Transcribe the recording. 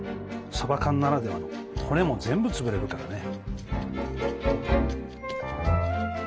さば缶ならではの骨も全部つぶれるからね。